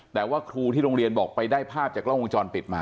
แต่ว่าครูที่โรงเรียนบอกไปได้ภาพจากกล้องวงจรปิดมา